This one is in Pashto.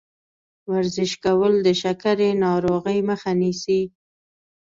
ورزش کول د شکرې ناروغۍ مخه نیسي.